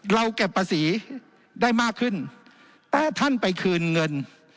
เราเก็บภาษีได้มากขึ้นแต่ท่านไปคืนเงิน